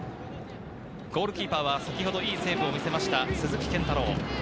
ゴールキーパーは先ほど、いいセーブを見せました鈴木健太郎。